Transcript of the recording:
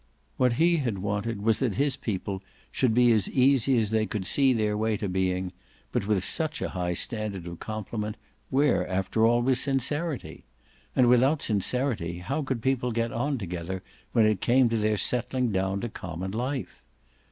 What he had wanted was that his people should be as easy as they could see their way to being, but with such a high standard of compliment where after all was sincerity? And without sincerity how could people get on together when it came to their settling down to common life?